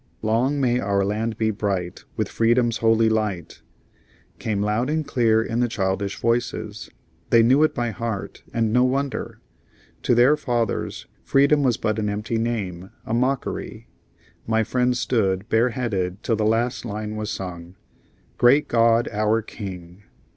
"Long may our land be bright With Freedom's holy light," came loud and clear in the childish voices. They knew it by heart, and no wonder. To their fathers, freedom was but an empty name, a mockery. My friend stood bareheaded till the last line was sung: "Great God, our King!"